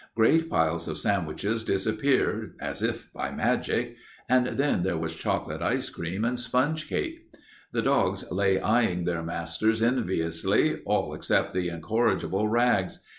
Great piles of sandwiches disappeared as if by magic, and then there was chocolate ice cream and sponge cake. The dogs lay eying their masters enviously, all except the incorrigible Rags.